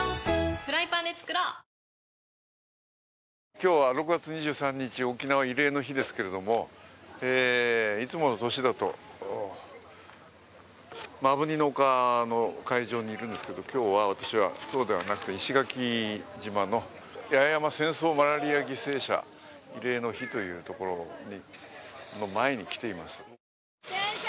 今日は６月２３日、沖縄慰霊の日ですけど、いつもの年だと、摩文仁の丘の会場にいるんですけど、今日は私はそうではなくて石垣島の八重山戦争マラリア犠牲者慰霊の碑の前に来ています。